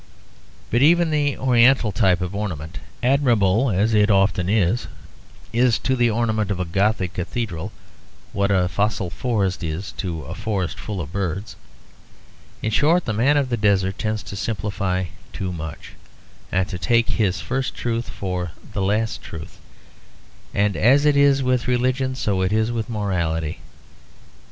But even the oriental type of ornament, admirable as it often is, is to the ornament of a gothic cathedral what a fossil forest is to a forest full of birds. In short, the man of the desert tends to simplify too much, and to take his first truth for the last truth. And as it is with religion so it is with morality.